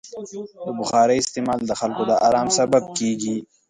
د بخارۍ استعمال د خلکو د ارام سبب کېږي.